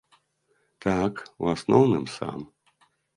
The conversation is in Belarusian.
Так, у асноўным сам.